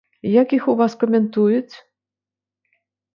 Як іх у вас каментуюць?